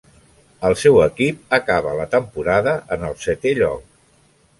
El seu equip acaba la temporada en el setè lloc.